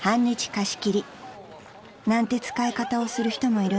貸し切りなんて使い方をする人もいるんだとか］